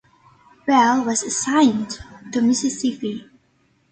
Bell was assigned to Mississippi.